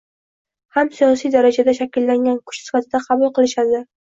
ham siyosiy darajada shakllangan kuch sifatida qabul qilishadi